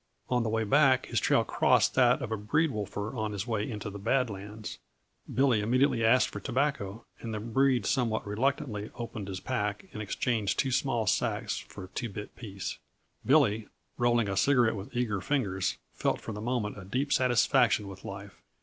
On the way back, his trail crossed that of a breed wolfer on his way into the Bad Lands. Billy immediately asked for tobacco, and the breed somewhat reluctantly opened his pack and exchanged two small sacks for a two bit piece. Billy, rolling a cigarette with eager fingers, felt for the moment a deep satisfaction with life.